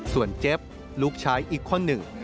ส่วนเจ็บลูกชายอีกคนหนึ่ง